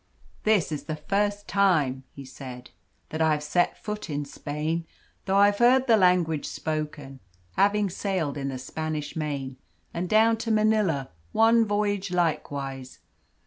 "This is the first time," he said, "that I have set foot in Spain, though I've heard the language spoken, having sailed in the Spanish Main, and down to Manilla one voyage likewise.